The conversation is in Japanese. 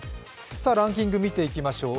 ランキング見ていきましょう。